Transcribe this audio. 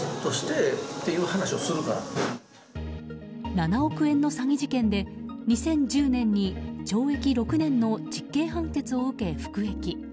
７億円の詐欺事件で２０１０年に懲役６年の実刑判決を受け、服役。